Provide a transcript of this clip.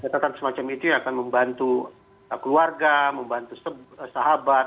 catatan semacam itu yang akan membantu keluarga membantu sahabat